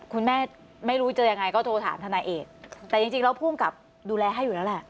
คุณแม่ไม่รู้จะยังไงก็โทรถามทนายเอกแต่จริงแล้วภูมิกับดูแลให้อยู่แล้วแหละ